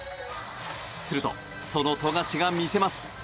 すると、その富樫が魅せます。